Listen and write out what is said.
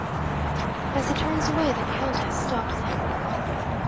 'As he turns away, the Countess stops him.